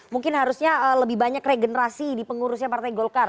mungkin harusnya lebih banyak regenerasi di pengurusnya partai golkar